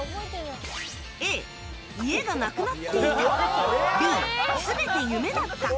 Ａ、家がなくなっていたＢ、全て夢だった。